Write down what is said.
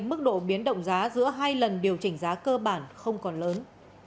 mức độ biến động giá giữa hai lần điều chỉnh giá cơ bản không còn lớn